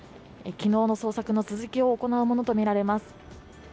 昨日の捜索の続きを行うものとみられます。